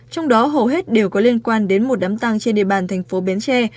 trong đó hầu hết đều có liên quan đến một đám tăng trên địa bàn thành phố bến tre